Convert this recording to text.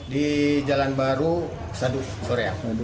di jalan baru sadu sore